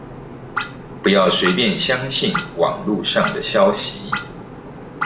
不要隨便相信網路上的消息